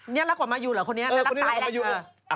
นี่น่ารักกว่ามาอยู่เหรอคนนี้น่ารักตายแหละเออคนนี้น่ารักกว่ามาอยู่